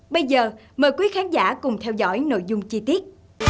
bây giờ mời quý khán giả cùng theo dõi nội dung chi tiết